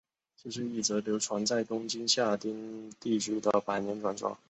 这是一则流传在东京下町地区的百年传说。